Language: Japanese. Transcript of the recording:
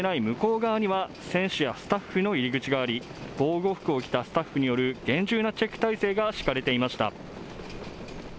向こう側には、選手やスタッフの入り口があり、防護服を着たスタッフによる厳重なチェック体制が敷かれていました。